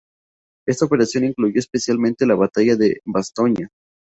Esta operación incluyó especialmente la batalla de Bastoña.